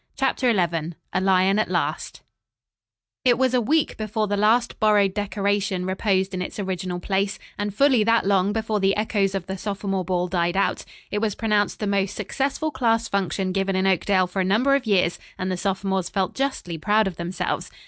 CHAPTER XI A LION AT LAST It was a week before the last borrowed decoration reposed in its original place, and fully that long before the echoes of the sophomore ball died out. It was pronounced the most successful class function given in Oakdale for a number of years, and the sophomores felt justly proud of themselves.